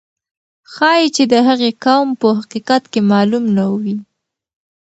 ښایي چې د هغې قوم په حقیقت کې معلوم نه وي.